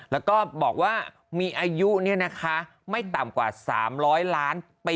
แล้วก็บอกว่ามีอายุไม่ต่ำกว่า๓๐๐ล้านปี